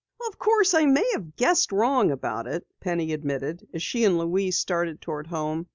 "Of course, I may have guessed wrong about it," Penny admitted as she and Louise started toward home.